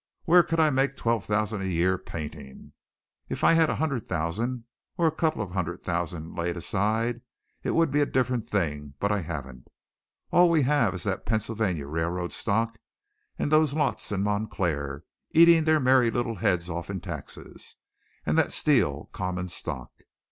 Where could I make twelve thousand a year painting? If I had a hundred thousand or a couple of hundred thousand laid aside, it would be a different thing, but I haven't. All we have is that Pennsylvania Railroad stock and those lots in Montclair eating their merry little heads off in taxes, and that Steel common stock.